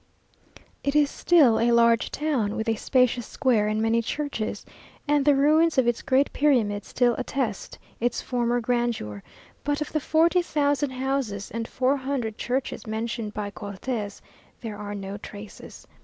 It is still a large town, with a spacious square and many churches, and the ruins of its great pyramid still attest its former grandeur; but of the forty thousand houses and four hundred churches mentioned by Cortes, there are no traces.